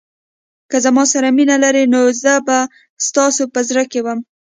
که زما سره مینه لرئ نو زه به ستاسو په زړه کې وم.